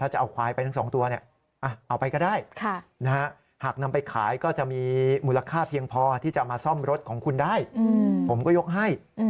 ให้ไปเลยนะค่ะ